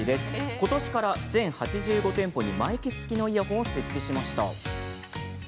今年から全８５店舗にマイク付きのイヤホンを設置しました。